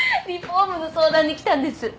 リフォームの相談に来たんです。